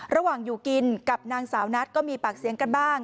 อยู่กินกับนางสาวนัทก็มีปากเสียงกันบ้าง